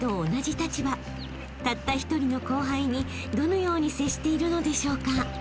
［たった一人の後輩にどのように接しているのでしょうか？］